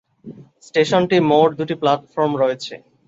স্টেশনটিতে মোট দুটি প্লাটফর্ম রয়েছে।